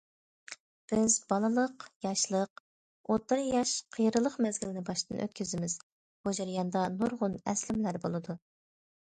بىز بالىلىق، ياشلىق، ئوتتۇرا ياش، قېرىلىق مەزگىلىنى باشتىن ئۆتكۈزىمىز، بۇ جەرياندا نۇرغۇن ئەسلىمىلەر بولىدۇ.